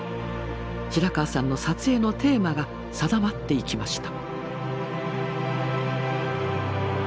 白川さんの撮影のテーマが定まっていきました。